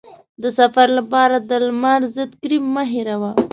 د سفر لپاره د لمر ضد کریم مه هېروه.